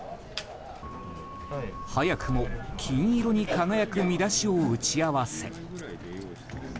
早くも金色に輝く見出しを打ち合わせ。